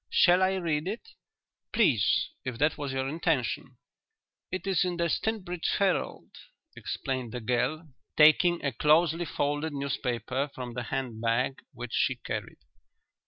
Shall I read it?" "Please; if that was your intention." "It is The Stinbridge Herald," explained the girl, taking a closely folded newspaper from the handbag which she carried.